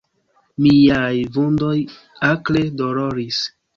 Miaj vundoj akre doloris.